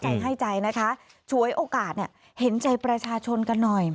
ใจให้ใจนะคะฉวยโอกาสเนี่ยเห็นใจประชาชนกันหน่อย